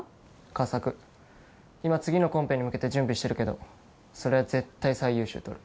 佳作今次のコンペに向けて準備してるけどそれは絶対最優秀とる